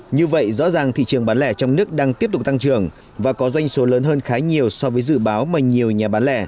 như vậy rõ ràng thị trường bán lẻ trong nước đang tiếp tục tăng trưởng và có doanh số lớn hơn khá nhiều so với dự báo mà nhiều nhà bán lẻ